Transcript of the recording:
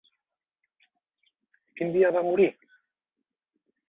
Quin dia va morir?